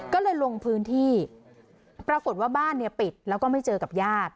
ก็เลยลงพื้นที่ปรากฏว่าบ้านเนี่ยปิดแล้วก็ไม่เจอกับญาติ